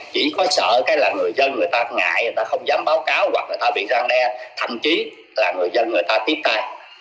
chỉ có sợ cái là người dân người ta ngại người ta không dám báo cáo hoặc người ta bị răn đe thậm chí là người dân người ta tiếp tay